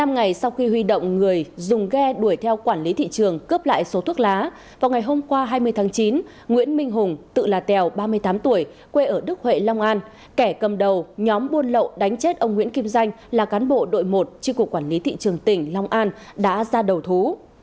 một mươi ngày sau khi huy động người dùng ghe đuổi theo quản lý thị trường cướp lại số thuốc lá vào ngày hôm qua hai mươi tháng chín nguyễn minh hùng tự là tèo ba mươi tám tuổi quê ở đức huệ long an kẻ cầm đầu nhóm buôn lậu đánh chết ông nguyễn kim danh là cán bộ đội một tri cục quản lý thị trường tỉnh long an đã ra đầu thú